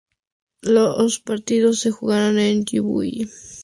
Los partidos se jugaron en Yibuti.